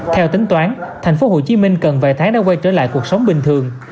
theo tính toán thành phố hồ chí minh cần vài tháng đã quay trở lại cuộc sống bình thường